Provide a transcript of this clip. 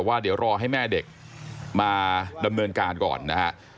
ว่าเดี๋ยวรอให้แม่เด็กมาดำเนินการก่อนนะฮะ